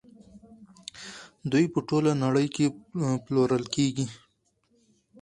دوی په ټوله نړۍ کې پلورل کیږي.